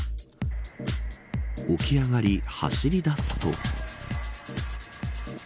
起き上がり走り出すと。